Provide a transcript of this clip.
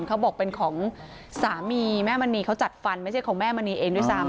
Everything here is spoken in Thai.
เขาบอกเป็นของสามีแม่มณีเขาจัดฟันไม่ใช่ของแม่มณีเองด้วยซ้ำ